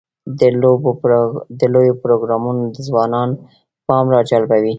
د لوبو پروګرامونه د ځوانانو پام راجلبوي.